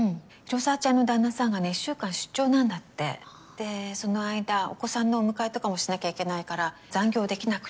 でその間お子さんのお迎えとかもしなきゃいけないから残業できなくて。